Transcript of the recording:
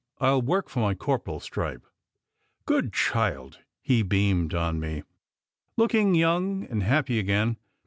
I ll work for my corporal s stripe!" "Good child!" he beamed on me, looking young and happy again.